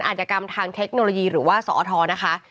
อาจกรรมทางเทคโนโลยีหรือว่าสอทนะคะ